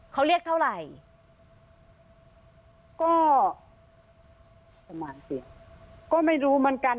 เขาเรียกเท่าไหร่ก็ประมาณเสียงก็ไม่รู้เหมือนกัน